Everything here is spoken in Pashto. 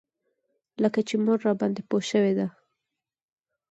لکه چې مور راباندې پوه شوې ده.